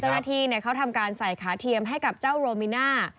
เจ้าหน้าที่เขาทำการใส่ขาเทียมให้กับเจ้าโรมิน่า